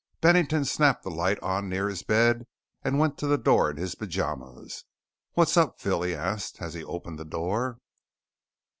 Bennington snapped the light on near his bed and went to the door in his pajamas. "What's up, Phil?" he asked as he opened the door.